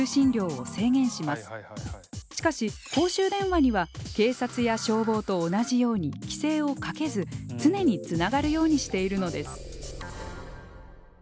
しかし公衆電話には警察や消防と同じように規制をかけず常につながるようにしているのです。